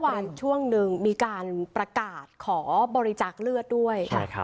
เมื่อวานช่วงนึงมีการประกาศขอบริจาคเลือดด้วยนะคะ